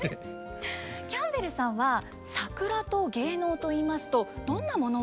キャンベルさんは桜と芸能といいますとどんなものを思い浮かべますか？